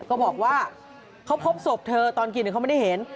เขาบอกว่าเขาพบศพเธอตอนกินเขาไม่ได้เห็น